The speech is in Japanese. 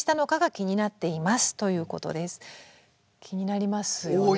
気になりますよね